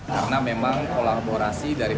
karena memang kolaborasi dari pemerintah daerah